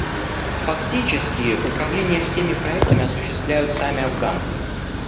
Фактически управление всеми проектами осуществляют сами афганцы.